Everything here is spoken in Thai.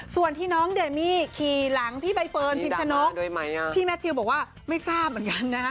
ส่วนที่น้องเดมี่ขี่หลังพี่ใบเฟิร์นพิมชนกพี่แมททิวบอกว่าไม่ทราบเหมือนกันนะฮะ